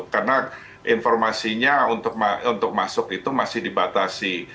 karena informasinya untuk masuk itu masih dibatasi